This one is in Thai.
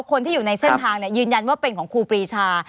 คนที่อยู่ในเส้นทางยืนยันว่าเป็นของครูปรีชา